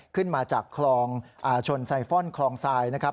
ขึ้นมาจากคลองอาชลไซฟอลคลองทราย